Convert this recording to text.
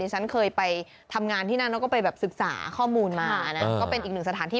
ฉันเคยไปทำงานที่นั่นแล้วก็ไปแบบศึกษาข้อมูลมานะก็เป็นอีกหนึ่งสถานที่